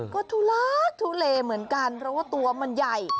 ก็ทุลักทุเลเหมือนกันเพราะว่าตัวมันใหญ่